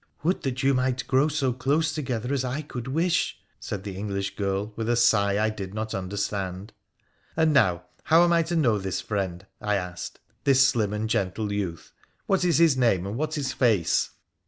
' Would that you might grow so close together as I could wish !' said the English girl, with a sigh I did not under stand. 'And now, how am I to know this friend,' I asked, ' this slim and gentle youth ? What is his name, and what his face